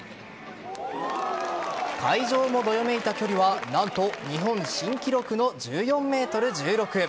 会場もどよめいた距離はなんと日本新記録の１４ｍ１６。